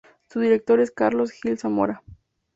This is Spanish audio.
Su director es Carlos Gil Zamora.